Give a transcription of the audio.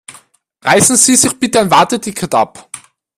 Reißen Sie sich bitte ein Warteticket ab.